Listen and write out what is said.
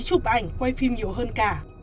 chụp ảnh quay phim nhiều hơn cả